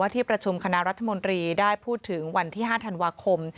ที่ประชุมคณะรัฐมนตรีได้พูดถึงวันที่๕ธันวาคม